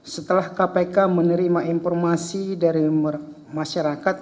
setelah kpk menerima informasi dari masyarakat